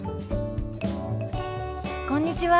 こんにちは。